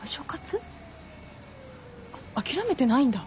諦めてないんだ。